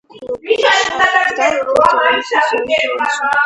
К счастию, Хлопуша стал противоречить своему товарищу.